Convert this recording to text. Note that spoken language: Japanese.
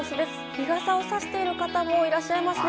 日傘をさしている人もいらっしゃいますね。